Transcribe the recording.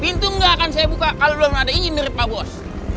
pintu nggak akan saya buka kalau belum ada ingin nyeri pak bos